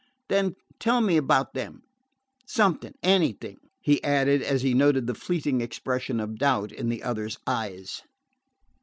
"Then tell me about them something, anything," he added as he noted the fleeting expression of doubt in the other's eyes.